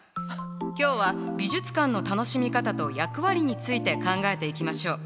今日は美術館の楽しみ方と役割について考えていきましょう。